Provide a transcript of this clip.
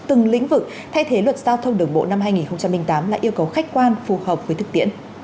từng lĩnh vực thay thế luật giao thông đường bộ năm hai nghìn tám là yêu cầu khách quan phù hợp với thực tiễn